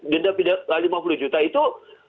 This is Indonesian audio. denda lima puluh juta itu